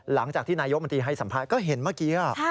หลังจากที่นายกมนตรีให้สัมภาษณ์ก็เห็นเมื่อกี้